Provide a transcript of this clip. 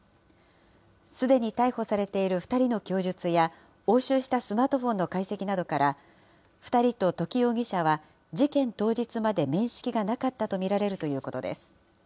すでに逮捕されている２人の供述や、押収したスマートフォンの解析などから、２人と土岐容疑者は、事件当日まで面識がなかったと見られるということです。